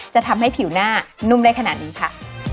จะทำให้ผิวหน้านุ่มได้ขนาดนี้ค่ะ